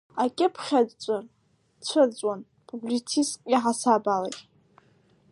Акьыԥхь аҿы дцәырҵуан публицистк иаҳасаб алагьы.